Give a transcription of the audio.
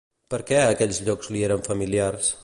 Per què aquells llocs li eren familiars?